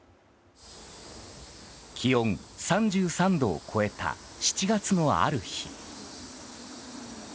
気温３３度を超えた７月のある日。